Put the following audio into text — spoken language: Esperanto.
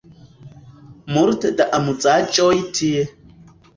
Multe da amuzaĵoj tie